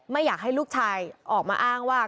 ไม่อยากให้ลูกชายออกมาอ้างว่า